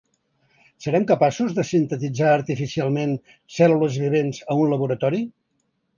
Serem capaços de sintetitzar artificialment cèl·lules vivents a un laboratori?